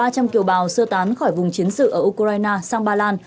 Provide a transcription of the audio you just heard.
ba trăm linh kiều bào sơ tán khỏi vùng chiến sự ở ukraine sang ba lan